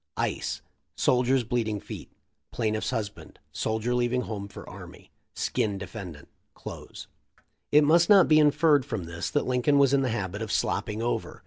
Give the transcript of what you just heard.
— Ice — Soldier's bleeding feet. — Pl'ffs husband. — Soldier leaving home for army. — Skin Deft. — Close." It must not be inferred from this that Lincoln was in the habit of slopping over.